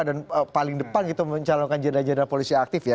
dan paling depan gitu mencalonkan jenderal jenderal polisi aktif ya